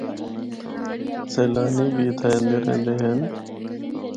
سیلانی بھی اِتھا ایندے رہندے ہن۔